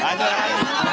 bapak angin bapak